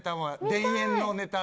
『田園』のネタ。